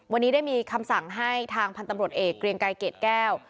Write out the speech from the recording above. วันนี้ได้มีคำสั่งให้ทางพันธ์ตำรวจเอกเกรียงไกรเกรดแก้ว